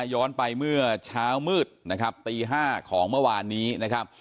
ย้อนไปเมื่อเช้ามืดนะครับตี๕ของเมื่อวานนี้นะครับ